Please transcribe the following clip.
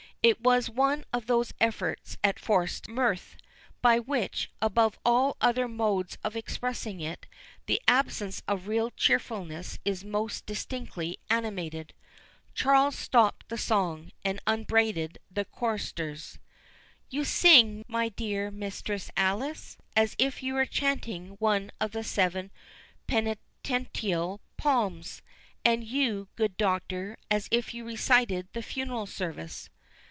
It was one of those efforts at forced mirth, by which, above all other modes of expressing it, the absence of real cheerfulness is most distinctly animated. Charles stopt the song, and upbraided the choristers. "You sing, my dear Mistress Alice, as if you were chanting one of the seven penitential psalms; and you, good Doctor, as if you recited the funeral service."